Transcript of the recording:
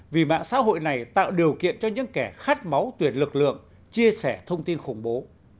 vì mạng xã hội này tạo điều kiện cho những kẻ khát máu tuyển lực lượng chia sẻ thông tin khủng bố